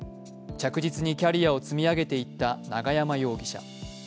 着実にキャリアを積み上げていった永山容疑者。